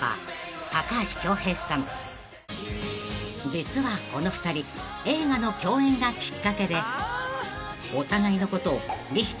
［実はこの２人映画の共演がきっかけでお互いのことを］